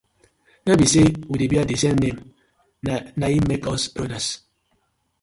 No bi say we dey bear di same na im make us brothers.